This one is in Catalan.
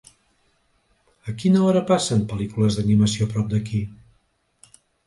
A quina hora passen pel·lícules d'animació a prop d'aquí?